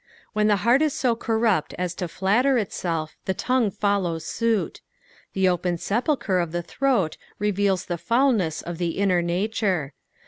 When the heart is so corrupt as to flatter itself, the tongue follows suit. The open sepulchre of the throat reveals the foulness of the inner nature.